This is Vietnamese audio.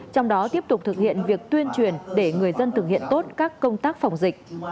trong đó tiếp tục thực hiện việc tuyên truyền để người dân thực hiện tốt các công tác phòng dịch